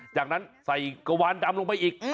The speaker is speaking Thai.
จากนั้นใส่กะวานดำลงไปอีก